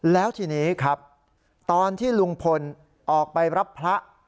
แล้วทีนี้ครับตอนที่ลุงพลออกไปรับพระ